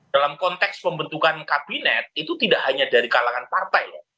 dalam konteks pembentukan kabinet itu tidak hanya dari kalangan partai